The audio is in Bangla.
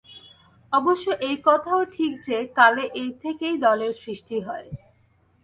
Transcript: অবশ্য এই কথাও ঠিক যে, কালে এই থেকেই দলের সৃষ্টি হয়।